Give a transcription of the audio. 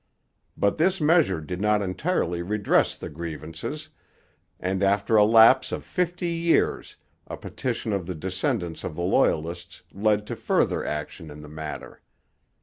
But this measure did not entirely redress the grievances, and after a lapse of fifty years a petition of the descendants of the Loyalists led to further action in the matter.